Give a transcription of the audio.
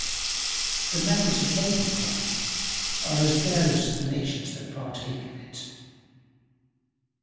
The methods of making coffee are as various as the nations that partake of it.